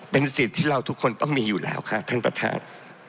เป็นสิทธิ์ที่เราทุกคนต้องมีอยู่แล้วค่ะท่านประธาน